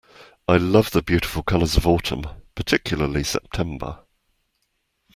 I love the beautiful colours of autumn, particularly September